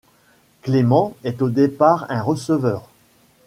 Clement est au départ un receveur.